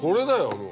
もう。